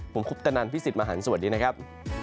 ผมคุปตะนันพี่สิทธิ์มหันฯสวัสดีนะครับ